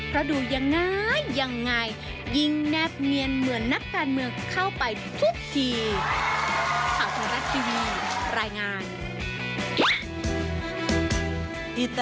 เพราะดูยังไงยังไงยิ่งแนบเนียนเหมือนนักการเมืองเข้าไปทุกที